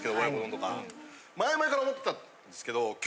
前々から思ってたんですけど。